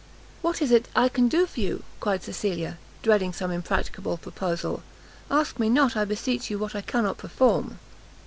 "What is it I can do for you?" cried Cecilia, dreading some impracticable proposal; "ask me not, I beseech you, what I cannot perform!"